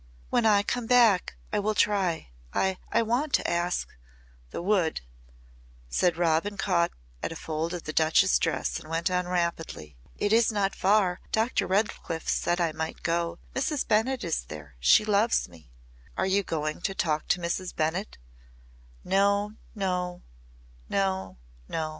"When I come back I will try. I I want to ask the Wood," said Robin. She caught at a fold of the Duchess' dress and went on rapidly. "It is not far. Dr. Redcliff said I might go. Mrs. Bennett is there. She loves me." "Are you going to talk to Mrs. Bennett?" "No! No! No! No!